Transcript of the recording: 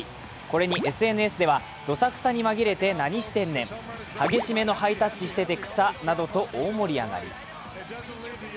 これにＳＮＳではどさくさにまぎれて何してんねん激しめのハイタッチしてて草などと大盛り上がり